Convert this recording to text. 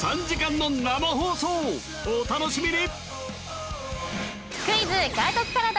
お楽しみに！